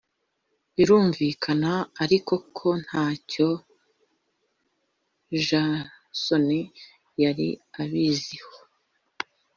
Birumvikana ariko ko nta cyo Jason yari abiziho